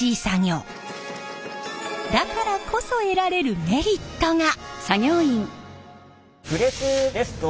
だからこそ得られるメリットが！